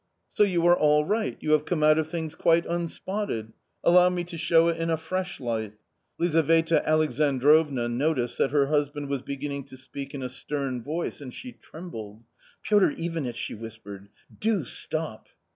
"So you are all right? You have come out of things quite unspotted. Allow me to show it in a fresh light." Lizaveta Alexandrovna noticed that her husband was beginning to speak in a stern voice and she trembled. " Piotr Ivanitch," she whispered, " do stop."